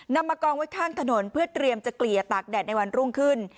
มากองไว้ข้างถนนเพื่อเตรียมจะเกลี่ยตากแดดในวันรุ่งขึ้น